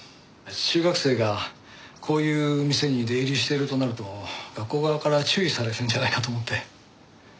中学生がこういう店に出入りしてるとなると学校側から注意されるんじゃないかと思って。